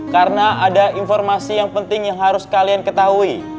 karena ada informasi yang penting yang harus kalian ketahui